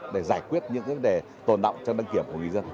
để giải quyết những vấn đề tồn đọng trong đăng kiểm của người dân